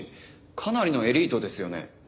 かなりのエリートですよね。